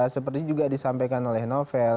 seperti juga disampaikan oleh novel